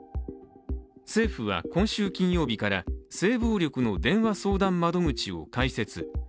政府は、今週金曜日から性暴力の電話相談窓口を開設。